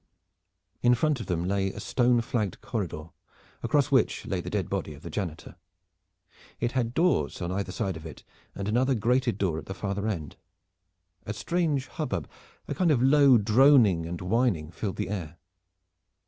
In front of them lay a stone flagged corridor, across which lay the dead body of the janitor. It had doors on either side of it, and another grated door at the farther end. A strange hubbub, a kind of low droning and whining filled the air.